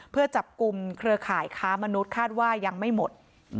เพื่อจับกลุ่มเครือข่ายค้ามนุษย์คาดว่ายังไม่หมด